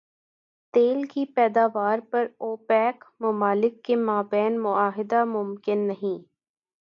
تیل کی پیداوار پر اوپیک ممالک کے مابین معاہدہ ممکن نہیں